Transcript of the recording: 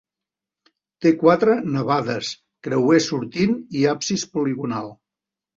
Té quatre navades, creuer sortint i absis poligonal.